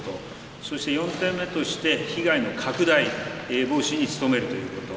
そして４点目として被害の拡大防止に努めるということ。